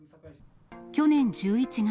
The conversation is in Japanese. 去年１１月、